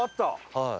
はい。